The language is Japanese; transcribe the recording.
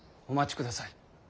お待ちください。